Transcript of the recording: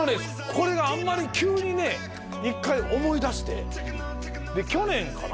これがあんまり急にね１回思い出してで去年かな